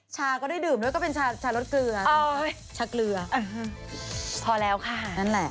ชาก็ได้ดื่มด้วยก็เป็นชารสเกลือชาเกลือพอแล้วค่ะนั่นแหละ